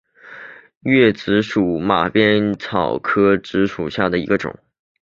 锐叶紫珠为马鞭草科紫珠属下的一个种。